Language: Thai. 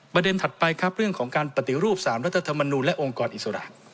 ถัดไปครับเรื่องของการปฏิรูป๓รัฐธรรมนูลและองค์กรอิสระ